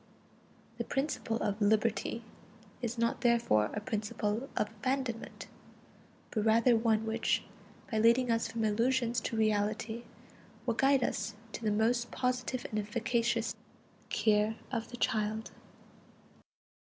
The principle of liberty is not therefore a principle of abandonment, but rather one which, by leading us from illusions to reality, will guide us to the most positive and efficacious "care of the child."